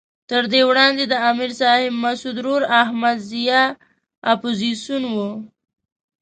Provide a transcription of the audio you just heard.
تر ده وړاندې د امر صاحب مسعود ورور احمد ضیاء اپوزیسون وو.